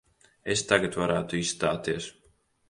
Es tagad varētu izstāties.